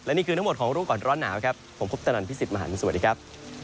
นี่คือทั้งหมดของรู้ก่อนร้อนหนาวครับผมพุทธนันพี่สิทธิมหันฯสวัสดีครับ